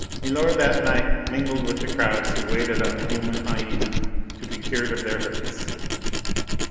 Milor that night mingled with the crowd who waited on the human hyena to be cured of their hurts.